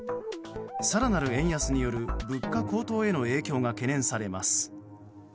更なる円安による物価高騰への影響が懸念されます。